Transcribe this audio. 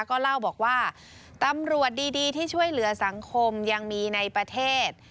ก็เล่าบอกว่าตำรวจดีที่ช่วยเหลือสังคมยังมีในประเทศ